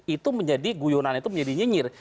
itu menjadi guyonan itu menjadi nyinyir